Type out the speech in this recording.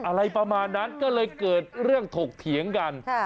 อะไรประมาณนั้นก็เลยเกิดเรื่องถกเถียงกัน